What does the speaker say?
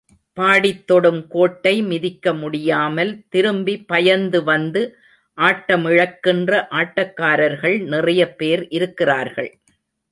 பாடித் தொடும் கோட்டை மிதிக்க முடியாமல், திரும்பி பயந்து வந்து ஆட்டமிழக்கின்ற ஆட்டக்காரர்கள் நிறைய பேர் இருக்கிறார்கள்.